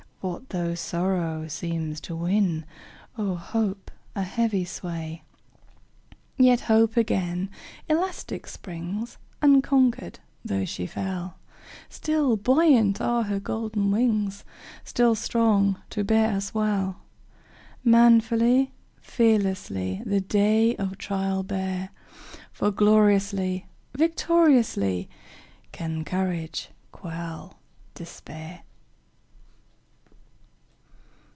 What though sorrow seems to win, O'er hope, a heavy sway? Yet Hope again elastic springs, Unconquered, though she fell; Still buoyant are her golden wings, Still strong to bear us well. Manfully, fearlessly, The day of trial bear, For gloriously, victoriously, Can courage quell despair!